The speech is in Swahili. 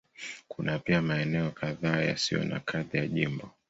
Kuna pia maeneo kadhaa yasiyo na hadhi ya jimbo.